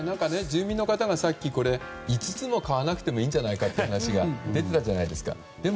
住民の方がさっき５つも買わなくていいんじゃないかって話が出てたじゃないですか。